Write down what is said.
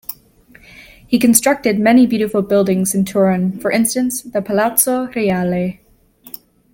He constructed many beautiful buildings in Turin, for instance the Palazzo Reale.